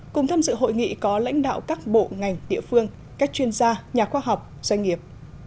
cùng tham dự hội nghị có lãnh đạo các bộ ngành địa phương các chuyên gia nhà khoa học doanh nghiệp